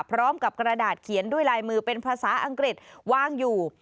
พร้อมกับกระดาษเขียนด้วยลายมือเป็นภาษาอังกฤษวางอยู่